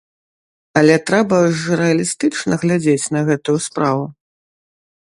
Але трэба ж рэалістычна глядзець на гэтую справу.